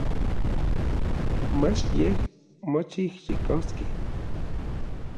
Mach yej moxijxikoskej.